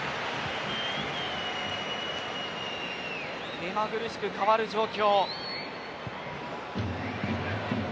目まぐるしく変わる状況。